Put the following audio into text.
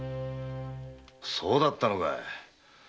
そうだったのかい。